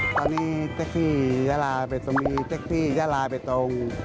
ตอนนี้เต็กที่ยาลาเบตตรงมีเต็กที่ยาลาเบตตรง